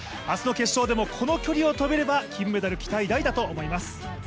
明日の決勝でもこの距離を飛べれば、金メダル期待大だと思います。